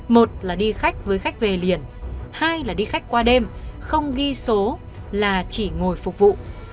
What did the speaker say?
một là đi khách với khách về liền hai là đi khách qua đêm không ghi số là chỉ ngồi phục vụ